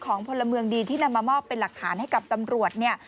พลเมืองดีที่นำมามอบเป็นหลักฐานให้กับตำรวจเนี่ย